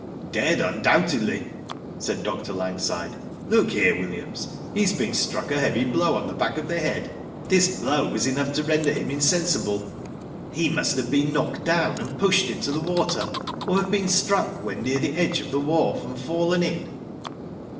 '* Dead, undoubtedly," said Dr. Langside. *' Look here, Williams, he's been struck a heavy blow on the back of the head. This blow was enough to render him insensible. He must have been knocked down, and pushed into the water ; or have been struck when near the edge of the wharf, and fallen in."